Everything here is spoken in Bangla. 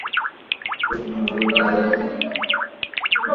অসাবধানে ও যা তা ভাবে না লিখে সঠিক ও পাণ্ডিত্যপূর্ণভাবে এ-সব লেখা উচিত।